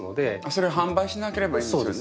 それを販売しなければいいんですよね。